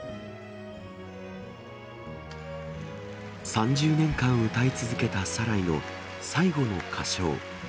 ３０年間歌い続けたサライの最後の歌唱。